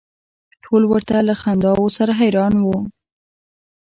ټول ورته له خنداوو سره حیران و.